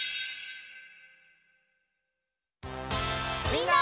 みんな！